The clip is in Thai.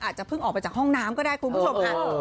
อาจจะเพิ่งออกไปจากห้องน้ำก็ได้คุณผู้ชมค่ะ